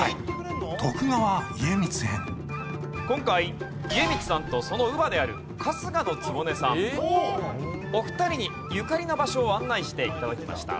今回家光さんとその乳母である春日局さんお二人にゆかりの場所を案内して頂きました。